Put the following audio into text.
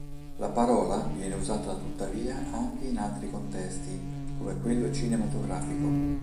La parola viene usata tuttavia anche in altri contesti, come quello cinematografico.